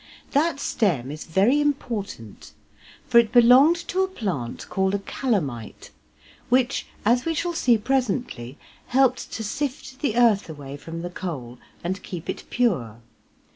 That stem is very important, for it belonged to a plant called a Calamite, which, as we shall see presently, helped to sift the earth away from the coal and keep it pure.